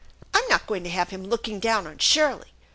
" I'm not going to have him looking down on Shirley.